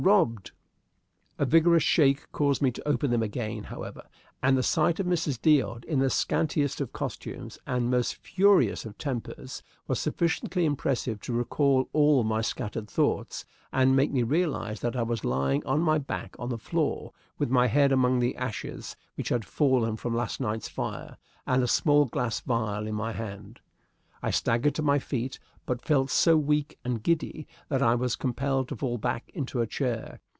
robbed!" A vigorous shake caused me to open them again, however, and the sight of Mrs. D'Odd, in the scantiest of costumes and most furious of tempers, was sufficiently impressive to recall all my scattered thoughts and make me realize that I was lying on my back on the floor, with my head among the ashes which had fallen from last night's fire, and a small glass vial in my hand. I staggered to my feet, but felt so weak and giddy that I was compelled to fall back into a chair.